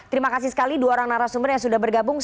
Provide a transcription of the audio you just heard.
terima kasih sekali dua orang narasumber yang sudah bergabung